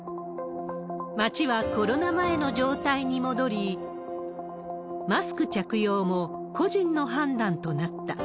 街はコロナ前の状態に戻り、マスク着用も個人の判断となった。